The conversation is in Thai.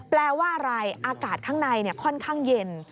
แปลว่าอะไรอากาศข้างในค่อนข้างเย็น